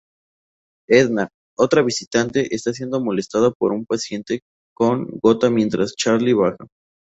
Edna, otra visitante, está siendo molestada por un paciente con gota mientras Charlie baja.